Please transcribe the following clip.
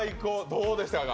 どうでしたか？